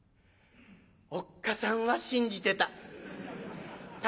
おっ母さんは信じてた。